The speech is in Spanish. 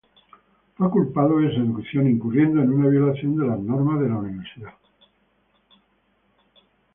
Fue culpado de "seducción", incurriendo en una violación de las normas de la universidad.